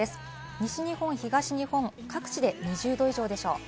西日本、東日本各地で２０度以上でしょう。